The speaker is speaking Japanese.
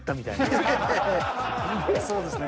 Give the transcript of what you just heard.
そうですね。